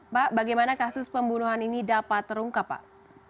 pak bagaimana kasus pembunuhan ini dapat terungkap pak